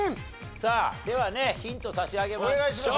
さあではねヒント差し上げましょう。